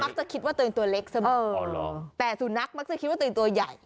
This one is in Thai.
จะคิดว่าตัวเองตัวเล็กเสมอแต่สุนัขมักจะคิดว่าตัวเองตัวใหญ่